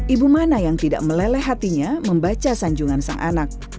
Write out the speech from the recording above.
ibu mana yang tidak meleleh hatinya membaca sanjungan sang anak